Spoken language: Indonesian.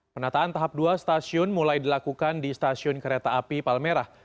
penataan tahap dua stasiun mulai dilakukan di stasiun kereta api palmerah